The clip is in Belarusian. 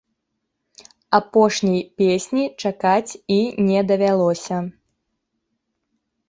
Апошняй песні чакаць і не давялося.